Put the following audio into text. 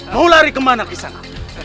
mau lari kemana ke sana